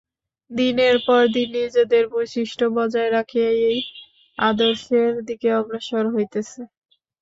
দিনের পর দিন নিজেদের বৈশিষ্ট্য বজায় রাখিয়াই এই আদর্শের দিকে অগ্রসর হইতেছে।